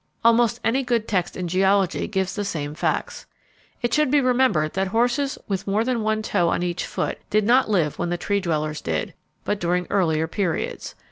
Almost any good text in geology gives the same facts. It should be remembered that horses with more than one toe on each foot did not live when the Tree dwellers did, but during earlier periods.